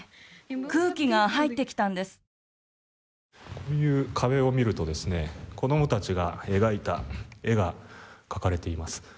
こういう壁を見ると、子供たちが描いた絵が描かれています。